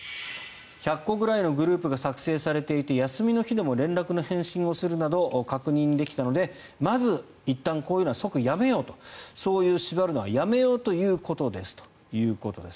１００個ぐらいのグループが作成されていて休みの日でも連絡の返信をするなど確認できたのでまず、いったんこういうのは即やめようとそういう縛るのはやめようということですということです。